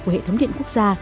của hệ thống điện quốc gia